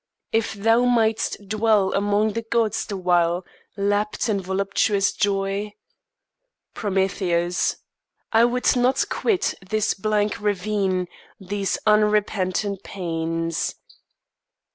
If thou mightst dwell among the Gods the while Lapped in voluptuous joy? PROMETHEUS. I would not quit This bleak ravine, these unrepentant pains.